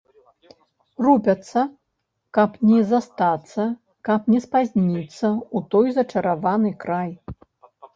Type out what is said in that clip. Рупяцца, каб не застацца, каб не спазніцца ў той зачараваны край.